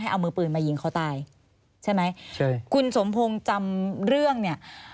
เอามือปืนมายิงเขาตายใช่ไหมใช่คุณสมพงศ์จำเรื่องเนี่ย